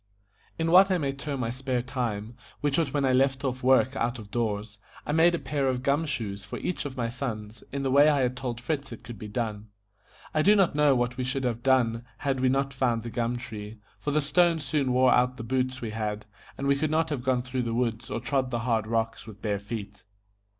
In what I may term my spare time, which was when I left off work out of doors, I made a pair of gum shoes for each of my sons, in the way I had told Fritz it could be done. I do not know what we should have done had we not found the gum tree, for the stones soon wore out the boots we had, and we could not have gone through the woods or trod the hard rocks with bare feet.